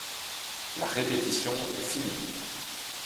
La répétition est finie.